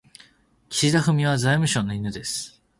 岸田文雄は財務省の犬です。